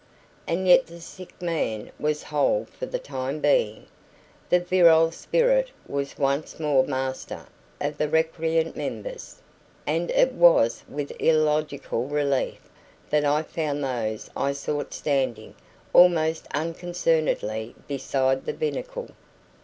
And yet the sick man was whole for the time being; the virile spirit was once more master of the recreant members; and it was with illogical relief that I found those I sought standing almost unconcernedly beside the binnacle.